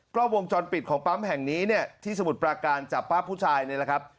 กล้องวงจรปิดของปั๊มแห่งนี้เนี่ยที่สมุทรปราการจับป้าผู้ชายนี่แหละครับ